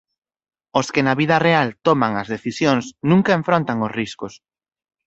Os que na vida real toman as decisións nunca enfrontan os riscos.